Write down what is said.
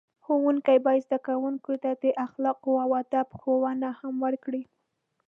ښوونکي باید زده کوونکو ته د اخلاقو او ادب ښوونه هم وکړي.